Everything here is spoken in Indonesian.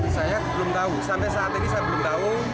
saya belum tahu sampai saat ini saya belum tahu